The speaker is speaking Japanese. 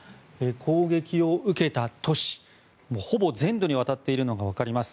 攻撃を受けた都市ほぼ全土にわたっているのがわかります。